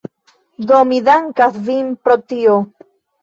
Do, mi dankas vin pro tio